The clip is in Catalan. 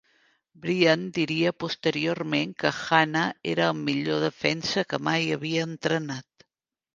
Bryant diria posteriorment que Hannah era el millor defensa que mai havia entrenat.